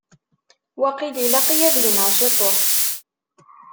Waqil ilaq-iyi ad gneɣ ciṭuḥ.